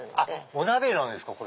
お鍋なんですか。